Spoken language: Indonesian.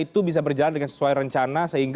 tahun dua ribu dua puluh dua ini